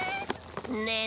ねえ